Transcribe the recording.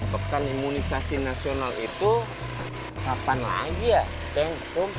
pekan imunisasi nasional itu kapan lagi ya cengkep